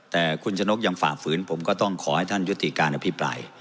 แต่คุณชนกยังฝ่าฝืนผมก็ต้องขอให้ท่านยุติการอภิปราย